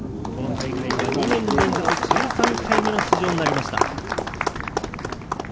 ２年連続１３回目の出場になりました。